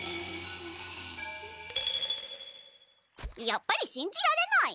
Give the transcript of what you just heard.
やっぱりしんじられない。